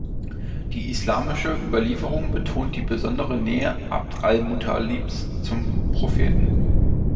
Die islamische Überlieferung betont die besondere Nähe ʿAbd al-Muttalibs zum Propheten.